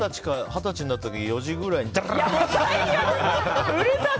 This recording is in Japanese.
二十歳になった時４時ぐらいにダンダン！